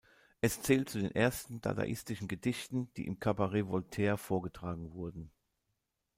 Es zählt zu den ersten dadaistischen Gedichten, die im Cabaret Voltaire vorgetragen wurden.